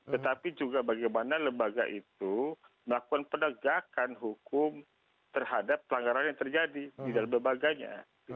tetapi juga bagaimana lembaga itu melakukan penegakan hukum terhadap pelanggaran yang terjadi di dalam lembaganya